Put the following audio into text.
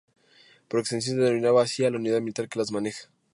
Por extensión se denomina así a la unidad militar que las maneja.